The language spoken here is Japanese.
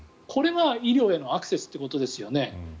これが医療へのアクセスということですよね。